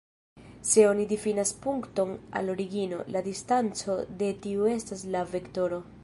Se oni difinas punkton al origino, la distanco de tiu estas la vektoro.